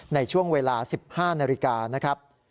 ในช่วงเวลา๑๕นาฬิกานะครับ